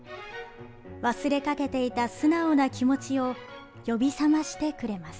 忘れかけていた素直な気持ちを呼び覚ましてくれます。